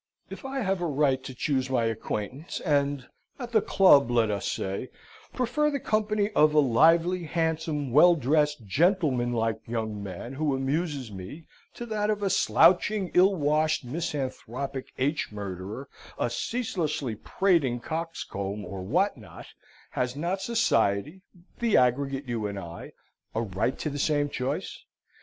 If I have a right to choose my acquaintance, and at the club, let us say prefer the company of a lively, handsome, well dressed, gentleman like young man, who amuses me, to that of a slouching, ill washed, misanthropic H murderer, a ceaselessly prating coxcomb, or what not; has not society the aggregate you and I a right to the same choice?